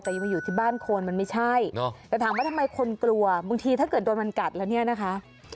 แต่ยังมาอยู่ที่บ้านคนมันไม่ใช่แต่ถามว่าทำไมคนกลัวบางทีถ้าเกิดโดนมันกัดแล้วเนี่ยนะคะ